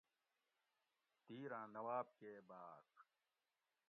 دِیراۤں نواۤب کے باۤڄ